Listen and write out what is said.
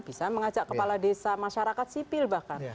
bisa mengajak kepala desa masyarakat sipil bahkan